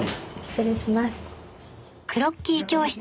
失礼します。